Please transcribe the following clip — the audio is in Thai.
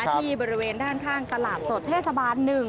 ที่บริเวณด้านข้างตลาดสดเทศบาล๑